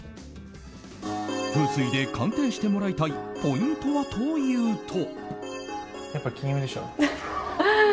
風水で鑑定してもらいたいポイントはというと。